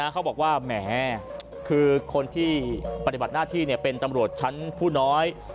เขาบอกว่าแหมคือคนที่ปฏิบัติหน้าที่เป็นตำรวจชั้นผู้น้อย